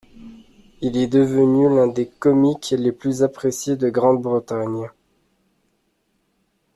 Il est devenu l'un des comiques les plus appréciés de Grande-Bretagne.